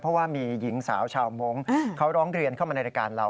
เพราะว่ามีหญิงสาวชาวมงค์เขาร้องเรียนเข้ามาในรายการเรา